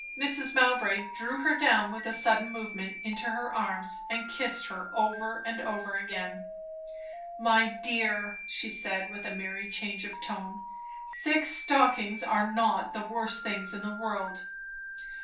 Mrs. Mowbray drew her down with a sudden movement, into her arms, and kissed her over and over again. "My dear," she said with a merry change of tone, "thick stockings are not the worst things in the world!"